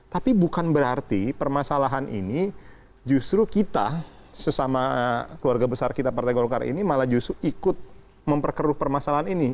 tapi bukan berarti permasalahan ini justru kita sesama keluarga besar kita partai golkar ini malah justru ikut memperkeruh permasalahan ini